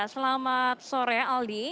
selamat sore aldi